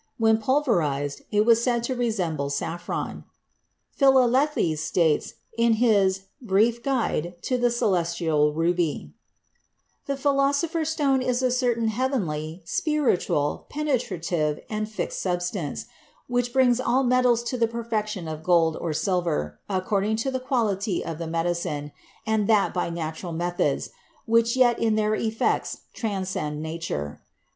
When pulverized, it was said to resemble saffron. Philalethes states, in his "Brief Guide to the Celestial Ruby" : "The Philosopher's Stone is a certain heavenly, spiritual, penetrative, and fixed substance, which brings all metals to the perfection of gold or silver, according to the quality of the medicine, and that by natural methods, which yet in their effects transcend Nature.